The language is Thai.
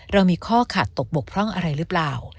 เรามีข้อขาดตกบกพร่องอะไรหรือเปล่า